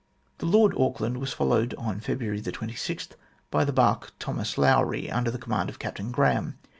The Lord Auckland was followed on February 26 by the barque Thomas Lowry, under the command of Captain Graham.